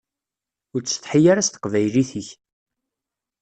Ur ttsetḥi ara s teqbaylit-ik.